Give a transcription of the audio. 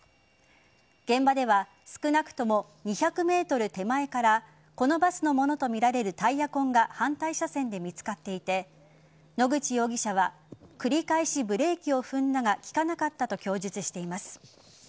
現場では少なくとも２００ｍ手前からこのバスのものとみられるタイヤ痕が反対車線で見つかっていて野口容疑者は繰り返しブレーキを踏んだが利かなかったと供述しています。